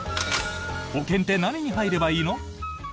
保険って何に入ればいいの？